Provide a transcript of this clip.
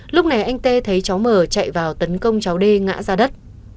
lúc này anh t thấy cháu m chạy vào tấn công cháu d ngã ra đất